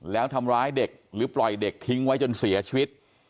แล้วทำร้ายเด็กหรือปล่อยเด็กทิ้งไว้จนเสียชีวิต